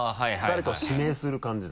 誰かを指名する感じだ。